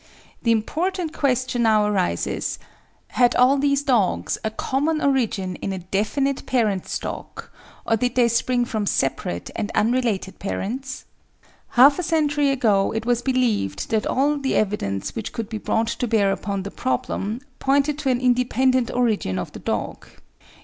The important question now arises: Had all these dogs a common origin in a definite parent stock, or did they spring from separate and unrelated parents? Half a century ago it was believed that all the evidence which could be brought to bear upon the problem pointed to an independent origin of the dog.